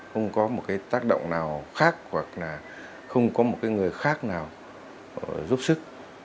không có một cái tác động nào khác hoặc là không có một người khác nào giúp sức